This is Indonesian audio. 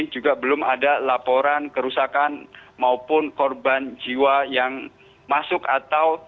juga belum ada laporan kerusakan maupun korban jiwa yang masuk atau